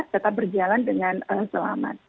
tetap berjalan dengan selamat